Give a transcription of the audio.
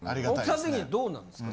奥さん的にはどうなんですか？